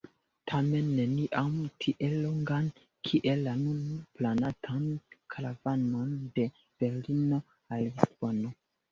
Tamen neniam tiel longan kiel la nun planatan karavanon de Berlino al Lisbono.